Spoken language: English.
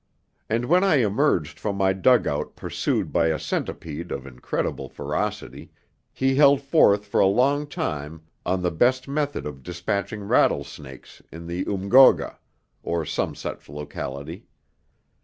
And when I emerged from my dug out pursued by a centipede of incredible ferocity, he held forth for a long time on the best method of dispatching rattlesnakes in the Umgoga, or some such locality.